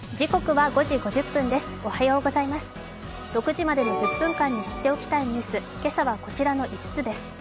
６時までの１０分間に知っておきたいニュース、今朝はこちらの５つです。